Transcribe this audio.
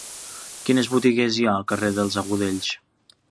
Quines botigues hi ha al carrer dels Agudells?